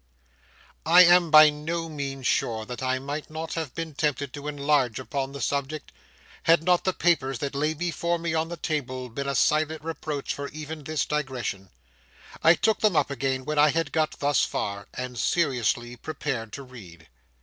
I am by no means sure that I might not have been tempted to enlarge upon the subject, had not the papers that lay before me on the table been a silent reproach for even this digression. I took them up again when I had got thus far, and seriously prepared to read.